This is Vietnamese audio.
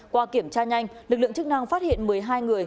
qua kiểm tra nhanh lực lượng chức năng phát hiện một mươi hai người